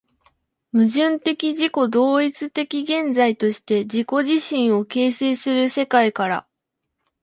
矛盾的自己同一的現在として自己自身を形成する世界から、